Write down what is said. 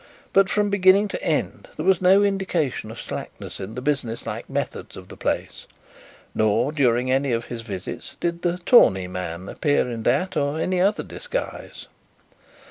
But from beginning to end there was no indication of slackness in the business like methods of the place; nor during any of his visits did the "tawny man" appear in that or any other disguise.